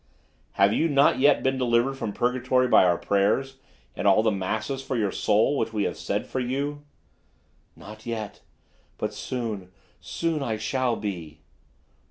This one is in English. "Have you not yet been delivered from purgatory by our prayers, and all the Masses for your soul, which we have said for you?" "Not yet, but soon, soon I shall be."